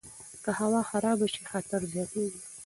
که هوا خرابه شي، خطر زیاتیږي.